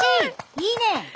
いいね！